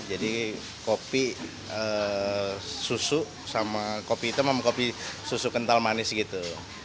jadi kopi susu sama kopi hitam sama kopi susu kental manis gitu